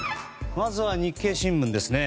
まずは日経新聞ですね。